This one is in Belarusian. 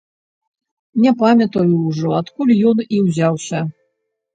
Не памятаю ўжо, адкуль ён і ўзяўся.